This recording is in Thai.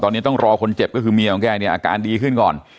ตอนนี้ต้องรอคนเจ็บก็คือเมียของแกเนี่ยอาการดีขึ้นก่อน